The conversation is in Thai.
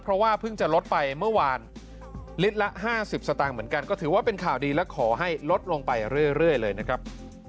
เพราะว่าเพิ่งจะลดไปเมื่อวานลิตรละ๕๐สตางค์เหมือนกันก็ถือว่าเป็นข่าวดีและขอให้ลดลงไปเรื่อยเลยนะครับ